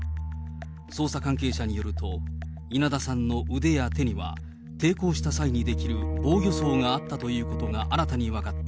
捜査関係者によると、稲田さんの腕や手には、抵抗した際に出来る防御創があったということが新たに分かった。